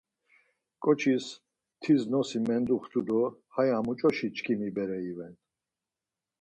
Ǩoçis tis nosi menduxtu do; Haya muç̌oşi çkimi bere iven.